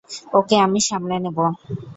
ওকে আমি সামলে নেবো।